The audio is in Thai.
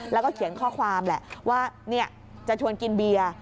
แล้วก็เขียนข้อความแหละว่าจะชวนกินเบียร์